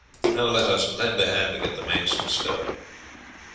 Now let us lend a hand to get the mainsail stowed."